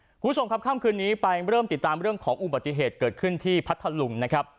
คุณผู้ชมครับค่ำคืนนี้ไปเริ่มติดตามเรื่องของอุบัติเหตุเกิดขึ้นที่พัทธลุงนะครับ